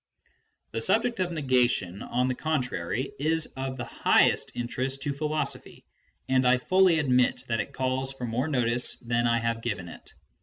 The subject of negation, on the contrary, is of the highest interest to philosophy, and I fully admit that it calls for more notice than I have given it.